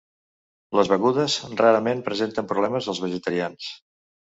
Les begudes rarament presenten problemes als vegetarians.